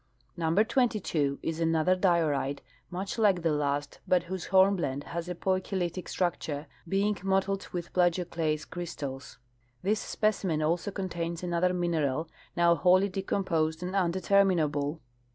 Number 22 is another diorite much like the last, l)ut whose hornblende has a poikilitic structure, being mottled with plagio clase crystals. This sjiecimen also contains another mineral now wholly decomposed and undeterminable.